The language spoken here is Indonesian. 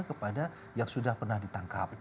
kepada yang sudah pernah ditangkap